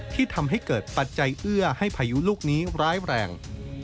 ที่ทำให้เกิดปัจจัยเอื้อให้พายุลูกนี้ร้ายแรง